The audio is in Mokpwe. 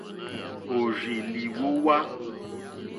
Òrzì lìhwówá.